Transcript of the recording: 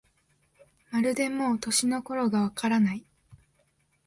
まるでもう、年の頃がわからない